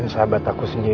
nih aku mau tidur